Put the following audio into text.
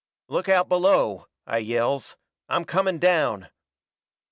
"Look out below," I yells, "I'm coming down!"